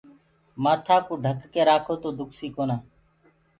مآٿآ ڪو ڍڪآ ڪي رآکو تو دُکسي ڪونآ۔